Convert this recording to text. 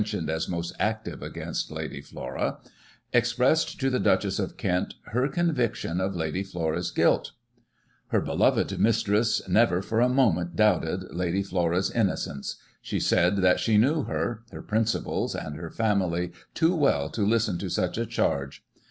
83 tioned as most active against Lady Flora) expressed to the Duchess of Kent, her conviction of Lady Flora's guilt Her beloved mistress' never, for a moment, doubted Lady Flora's innocence. She said that she knew her, her principles, and her family too well to listen to such a charge.